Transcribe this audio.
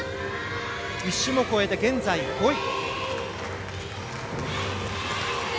１種目終えて現在、５位。